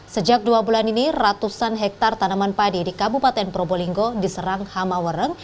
sejak dua bulan ini ratusan hektare tanaman padi di kabupaten probolinggo diserang hamawereng